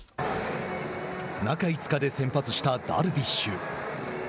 中５日で先発したダルビッシュ。